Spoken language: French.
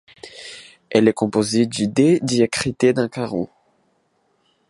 Elle est composé du dé diacrité d’un caron.